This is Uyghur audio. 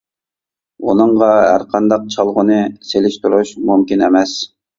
ئۇنىڭغا ھەرقانداق چالغۇنى سېلىشتۇرۇش مۇمكىن ئەمەس.